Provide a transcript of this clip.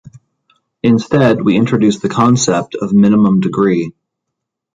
Instead, we introduce the concept of minimum degree.